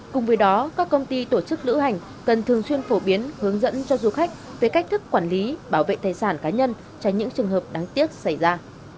cùng với đó các công ty tổ chức lữ hành cần thường xuyên phổ biến hướng dẫn cho du khách về cách thức quản lý bảo vệ tài sản cá nhân tránh những trường hợp đáng tiếc xảy ra